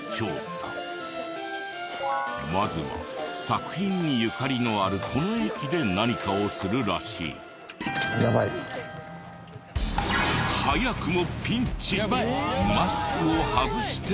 まずは作品にゆかりのあるこの駅で何かをするらしい。早くもピンチ。